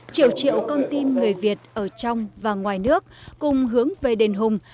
triệu triệu con tim người việt ở trong và ngoài nước cùng hướng về đền hùng